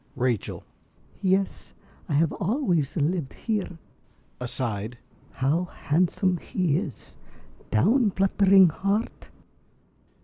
~Rachel.~ Yes, I have always lived here. (Aside.) How handsome he is. Down, fluttering heart.